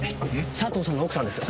佐藤さんの奥さんです。